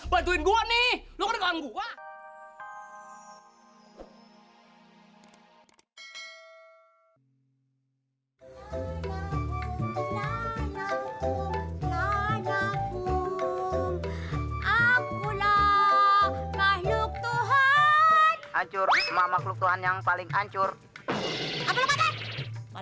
bantuin gua nih lu kan kawan gua